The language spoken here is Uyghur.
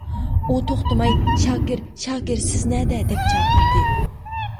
ئۇ توختىماي «شاكىر، شاكىر، سىز نەدە» دەپ چاقىردى.